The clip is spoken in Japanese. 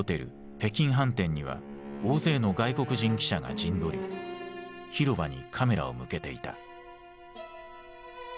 北京飯店には大勢の外国人記者が陣取り広場にカメラを向けていた。